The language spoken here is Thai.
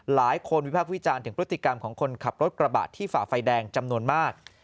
วิพากษ์วิจารณ์ถึงพฤติกรรมของคนขับรถกระบะที่ฝ่าไฟแดงจำนวนมาก